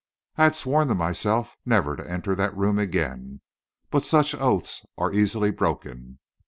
I had sworn to myself never to enter that room again, but such oaths are easily broken.